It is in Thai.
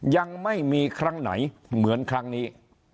ยังไม่มีครั้งไหนเหมือนครั้งนี้